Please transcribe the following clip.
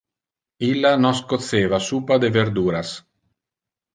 Illa nos coceva suppa de verduras.